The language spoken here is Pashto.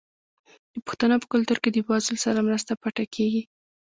د پښتنو په کلتور کې د بې وزلو سره مرسته پټه کیږي.